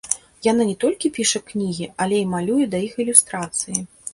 Яна не толькі піша кнігі, але і малюе да іх ілюстрацыі.